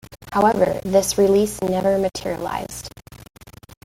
However, this release never materialized.